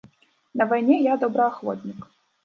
На вайне я добраахвотнік.